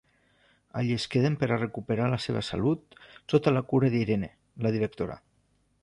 Allí es queden per a recuperar la seva salut sota la cura d'Irene, la directora.